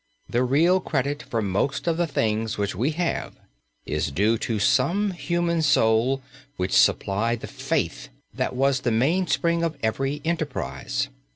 The real credit for most of the things which we have is due to some human soul which supplied the faith that was the mainspring of every enterprise.